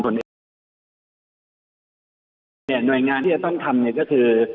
เนี่ยหน่วยงานที่จะต้องทำเนี่ยก็คือ